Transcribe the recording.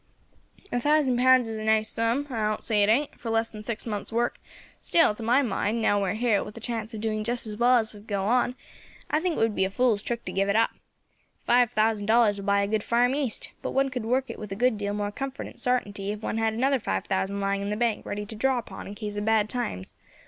"A thousand pounds is a nice sum I don't say it ain't for less than six months' work; still, to my mind, now we are here, with the chance of doing just as well if we go on, I think it would be a fool's trick to give it up. Five thousand dollars will buy a good farm east, but one could work it with a good deal more comfort and sartainty if one had another five thousand lying in the bank ready to draw upon in case of bad times.